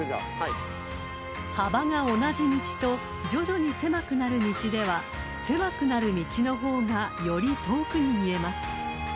［幅が同じ道と徐々に狭くなる道では狭くなる道の方がより遠くに見えます］